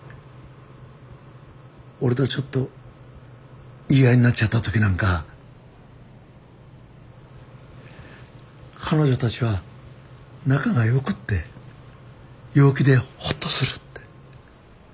俺とちょっと言い合いになっちゃった時なんか彼女たちは仲がよくって陽気でほっとするって。